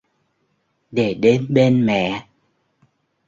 Để đến bên mẹ